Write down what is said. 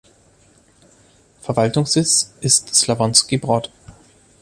Verwaltungssitz ist Slavonski Brod.